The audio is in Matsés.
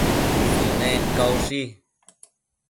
Sënec caushi